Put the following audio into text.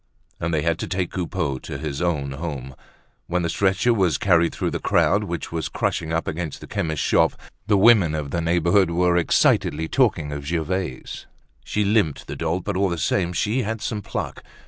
And they had to take Coupeau to his own home. When the stretcher was carried through the crowd which was crushing up against the chemist's shop, the women of the neighborhood were excitedly talking of Gervaise. She limped, the dolt, but all the same she had some pluck.